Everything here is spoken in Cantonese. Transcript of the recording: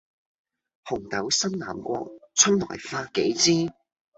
紅豆生南國，春來發幾枝，